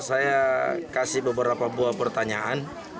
saya kasih beberapa buah pertanyaan